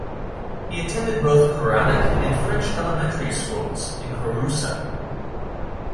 He attended both Koranic and French elementary schools in Kouroussa.